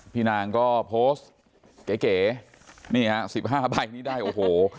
พี่นางก็โพสต์เก๋นี่ฮะ๑๕ใบนี้ได้โอ้โห